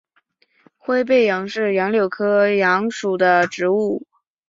灰背杨是杨柳科杨属的植物。